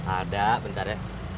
ada bentar ya